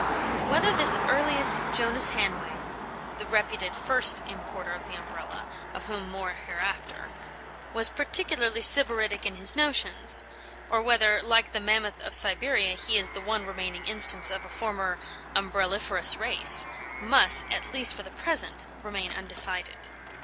Whether this earliest Jonas Hanway (the reputed first importer of the Umbrella, of whom more hereafter) was peculiarly sybaritic in his notions, or whether, like the mammoth of Siberia, he is the one remaining instance of a former "umbrelliferous" race, must, at least for the present, remain undecided.